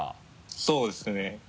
そうですね。